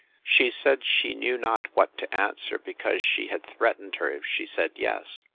She said she knew not what to answer, because she had threatened her if she said yes.